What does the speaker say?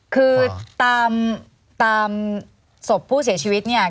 คือตามศพผู้เสียชีวิตเนี่ย